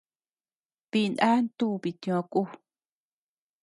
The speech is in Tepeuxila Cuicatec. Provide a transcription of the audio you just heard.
Dina ntu bitio ku.